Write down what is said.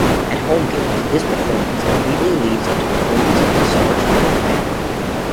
At home games, this performance immediately leads into performance of The Star-Spangled Banner.